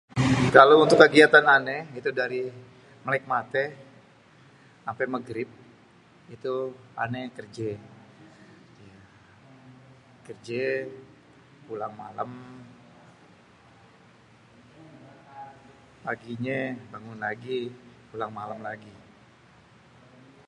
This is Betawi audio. Kalau untuk kegiatan ane, itu dari melek mate ampe Magrib itu ane kerje. Kerje pulang malem, paginye bangun lagi, pulang malem lagi.